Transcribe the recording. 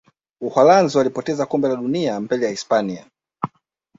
uholanzi walipoteza kombe la dunia mbele ya hispania